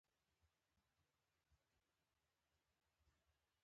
وکیلانو د کانکور په صحنه کې مداخله کوله